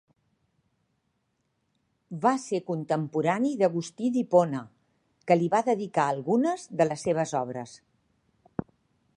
Va ser contemporani d'Agustí d'Hipona, que li va dedicar algunes de les seves obres.